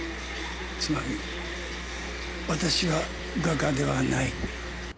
つまり私は画家ではない。